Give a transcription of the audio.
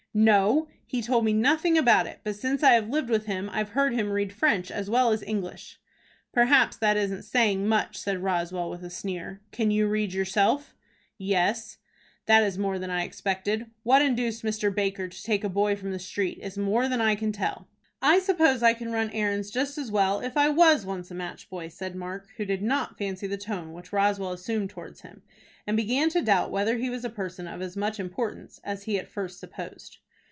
"No, he told me nothing about it; but since I have lived with him I've heard him read French as well as English." "Perhaps that isn't saying much," said Roswell, with a sneer. "Can you read yourself?" "Yes." "That is more than I expected. What induced Mr. Baker to take a boy from the street is more than I can tell." "I suppose I can run errands just as well, if I was once a match boy," said Mark, who did not fancy the tone which Roswell assumed towards him, and began to doubt whether he was a person of as much importance as he at first supposed.